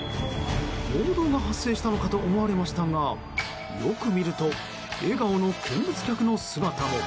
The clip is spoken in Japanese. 暴動が発生したのかと思われましたがよく見ると笑顔の見物客の姿も。